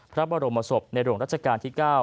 พระบรมศพในหลวงรัชกาลที่๙